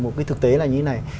một cái thực tế là như thế này